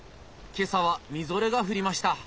今朝はみぞれが降りました。